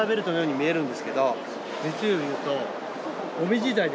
実を言うと。